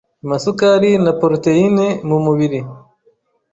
amasukari na proteyine mu mubiri